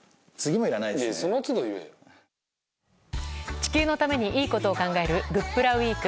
地球のためにいいことを考えるグップラウィーク。